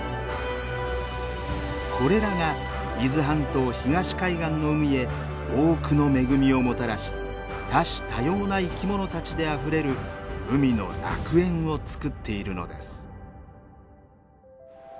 これらが伊豆半島東海岸の海へ多くの恵みをもたらし多種多様な生きものたちであふれる海の楽園をつくっているのです。